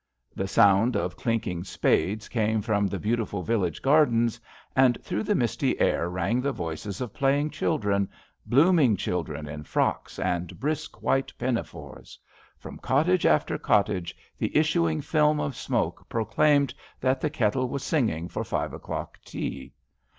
The sound of clinking spades came from the beautiful village gardens, and through the misty air rang the voices of playing 77 HAMPSHIRE VIGNETTES children, blooming children in frocks and brisk, white pinafores. From cottage after cottage the issuing film of smoke proclaimed that the kettle was singing for five o'clock tea.